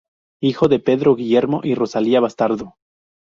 Hijo de Pedro Guillermo y Rosalía Bastardo.